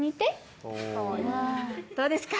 どうですか？